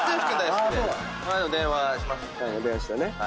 電話したね。